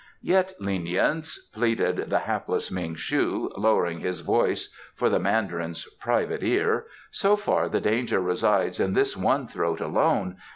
"Yet, lenience," pleaded the hapless Ming shu, lowering his voice for the Mandarin's private ear, "so far the danger resides in this one throat alone.